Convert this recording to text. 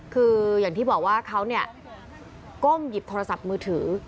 คืออย่างที่บอกว่าเขาก้มหยิบโทรศัพท์มือถือ